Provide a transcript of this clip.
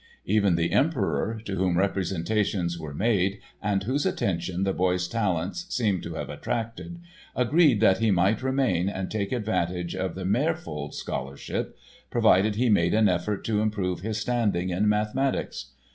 Even the Emperor, to whom representations were made and whose attention the boy's talents seem to have attracted, agreed that he might remain and take advantage of the "Meerfeld scholarship"—provided he made an effort to improve his standing in mathematics.